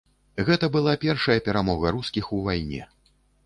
Гэта была першая перамога рускіх у вайне.